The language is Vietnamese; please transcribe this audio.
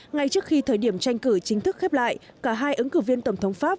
ngay trước khi thời điểm tranh cử chính thức khép lại cả hai ứng cử viên tổng thống pháp